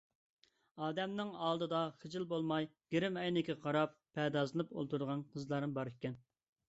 ئادەمنىڭ ئالدىدا خىجىل بولماي گىرىم ئەينىكىگە قاراپ پەردازلىنىپ ئولتۇرىدىغان قىزلارمۇ باركەن...